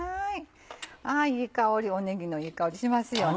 あいい香りねぎのいい香りしますよね。